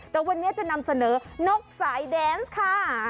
แต่วันนี้จะนำเสนอนกสายแดนส์ค่ะ